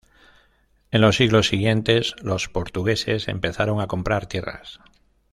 En los siglos siguientes, los portugueses empezaron a comprar tierras.